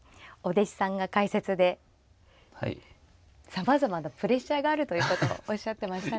さまざまなプレッシャーがあるということをおっしゃってましたね。